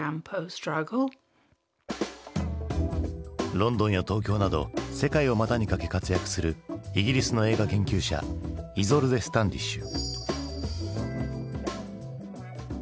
ロンドンや東京など世界を股にかけ活躍するイギリスの映画研究者イゾルデ・スタンディッシュ。